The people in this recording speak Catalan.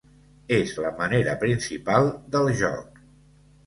És la manera principal del joc.